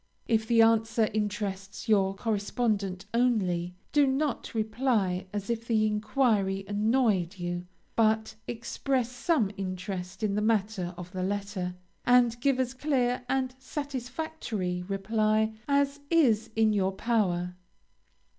If the answer interests your correspondent only, do not reply as if the enquiry annoyed you, but express some interest in the matter of the letter, and give as clear and satisfactory reply as is in your power.